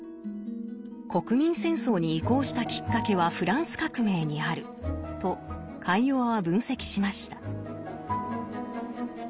国民戦争に移行したきっかけはフランス革命にあるとカイヨワは分析しました。